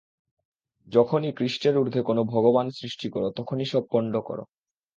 যখনই খ্রীষ্টের ঊর্ধ্বে কোন ভগবান সৃষ্টি কর, তখনই সব পণ্ড কর।